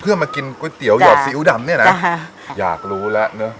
เพื่อมากินก๋วยเตี๋ยวหอดซีอิ๊วดำเนี่ยนะอยากรู้แล้วเนอะ